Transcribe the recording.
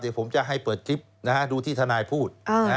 เดี๋ยวผมจะให้เปิดคลิปดูที่ทนายพูด